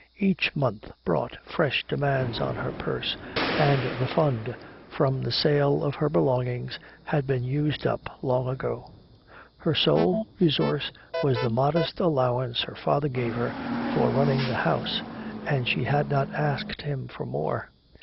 Each month brought fresh demands on her purse, and the fund from the sale of her belongings had been used up long ago. Her sole resource was the modest allowance her father gave her for running the house, and she had not asked him for more.